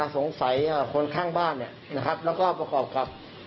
สงสัยคนข้างบ้านเนี่ยนะครับแล้วก็ประกอบกับ